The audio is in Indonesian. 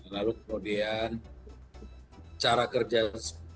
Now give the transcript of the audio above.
lalu kemudian cara kerja skema ponzi itu misalnya ya